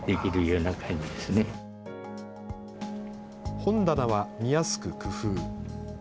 本棚は見やすく工夫。